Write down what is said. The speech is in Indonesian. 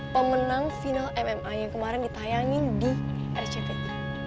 pemenang final mma yang kemarin ditayangin di rctv